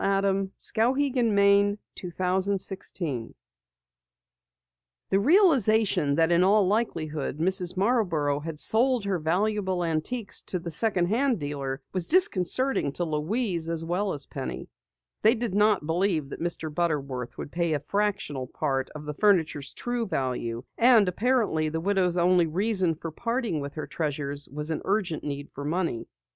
CHAPTER 18 SIGNBOARD INDIANS The realization that in all likelihood Mrs. Marborough had sold her valuable antiques to the second hand dealer was disconcerting to Louise as well as Penny. They did not believe that Mr. Butterworth would pay a fractional part of the furniture's true value, and apparently the widow's only reason for parting with her treasures was an urgent need for money.